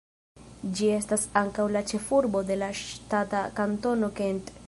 Ĝi estas ankaŭ la ĉefurbo de la ŝtata Kantono Kent.